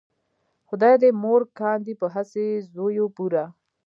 خدای دې مور کاندې په هسې زویو بوره